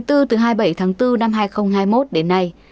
từ hai mươi bảy tháng bốn năm hai nghìn hai mươi một đến nay